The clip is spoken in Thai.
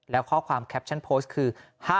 แล้วข้อความแคปชั่นโพสต์คือ